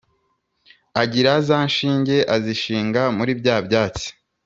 agira za nshinge azishinga muri bya byatsi,